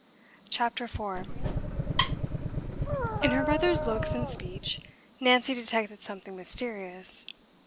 CHAPTER 4 In her brother's looks and speech Nancy detected something mysterious.